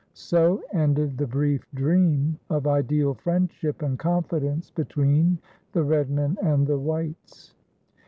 So ended the brief dream of ideal friendship and confidence between the red men and the whites.